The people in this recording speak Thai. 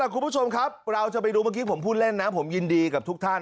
คุณผู้ชมครับเราจะไปดูเมื่อกี้ผมพูดเล่นนะผมยินดีกับทุกท่าน